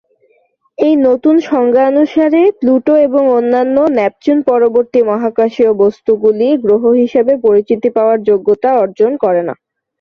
এই নতুন সংজ্ঞা অনুসারে, প্লুটো এবং অন্যান্য নেপচুন-পরবর্তী মহাকাশীয় বস্তুগুলি গ্রহ হিসাবে পরিচিতি পাওয়ার যোগ্যতা অর্জন করে না।